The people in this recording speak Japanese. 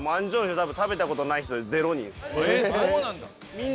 そうなんだ。